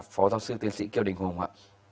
phó giáo sư tiến sĩ kiều đình hùng ạ